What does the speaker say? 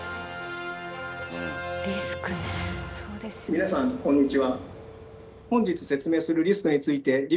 「皆さんこんにちは」。